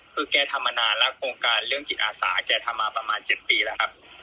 คือแกทำมานานแล้วโครงการเรื่องจิตอาสาแกทำมาประมาณ๗ปีแล้วครับ